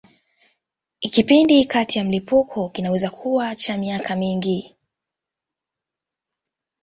Kipindi kati ya milipuko kinaweza kuwa cha miaka mingi.